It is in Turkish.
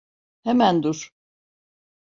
Hemen dur!